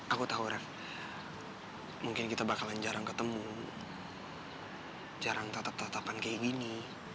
aku tau rev mungkin kita bakalan jarang ketemu jarang tetep tetepan kayak gini